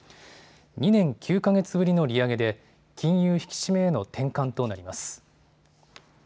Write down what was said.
２年９か月ぶりの利上げで、金融引き締めへの転換となります。